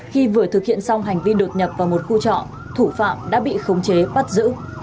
khi vừa thực hiện xong hành vi đột nhập vào một khu trọ thủ phạm đã bị khống chế bắt giữ